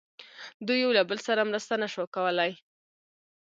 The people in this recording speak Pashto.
دوی یو له بل سره مرسته نه شوه کولای.